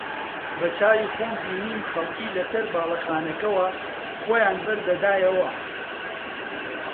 بەچاوی خۆم بینیم خەڵکی لەسەر باڵەخانەکانەوە خۆیان بەردەدایەوە